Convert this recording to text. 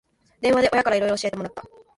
電話で親からいろいろ教えてもらった